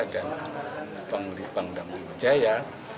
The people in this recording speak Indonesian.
dan panggri panggri jaya